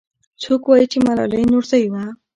څوک وایي چې ملالۍ نورزۍ وه؟